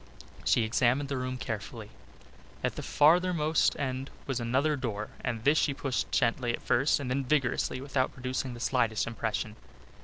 She examined the room carefully. At the farthermost end was another door and this she pushed gently at first and then vigorously without producing the slightest impression.